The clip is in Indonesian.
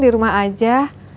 di rumah aja